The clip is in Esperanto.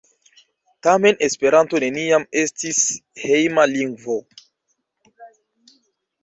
Tamen Esperanto neniam estis hejma lingvo.